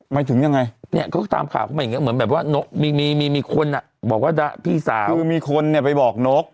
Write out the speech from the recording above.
ถึงยังไงเนี่ยเขาก็ตามข่าวเข้ามาอย่างเงี้เหมือนแบบว่านกมีมีคนอ่ะบอกว่าพี่สาวคือมีคนเนี่ยไปบอกนก